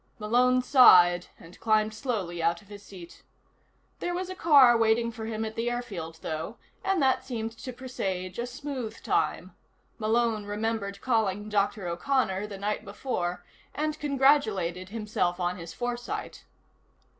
Malone sighed and climbed slowly out of his seat. There was a car waiting for him at the airfield, though, and that seemed to presage a smooth time; Malone remembered calling Dr. O'Connor the night before, and congratulated himself on his foresight.